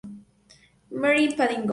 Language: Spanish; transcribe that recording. Mary en Paddington.